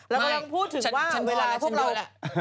เราพูดถึงว่า